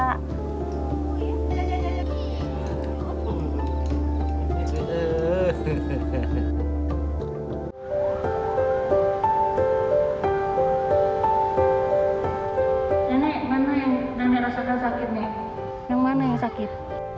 dan merasakan sakitnya yang mana yang sakit